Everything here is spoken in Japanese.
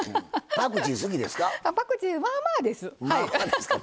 パクチーまあまあです。